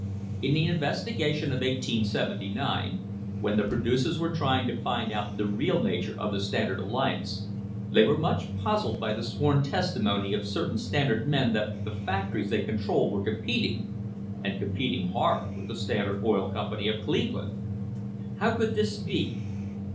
In the investigation of 1879, when the producers were trying to find out the real nature of the Standard alliance, they were much puzzled by the sworn testimony of certain Standard men that the factories they controlled were competing, and competing THE LEGITIMATE GREATNESS OF THE COMPANY hard, with the Standard Oil Company of Cleveland. How could this be?